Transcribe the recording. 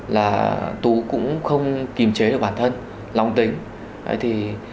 là tù cũng không kìm chế được bản thân lòng tính